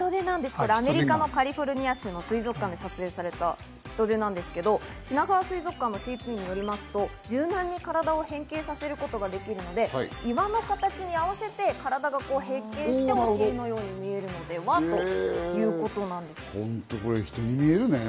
アメリカのカリフォルニア州の水族館で撮影されたヒトデなんですけど、しながわ水族館の飼育員によりますと、柔軟に体を変形させることができるので、岩の形に合わせて体が変形して、このようになっているということなんですね。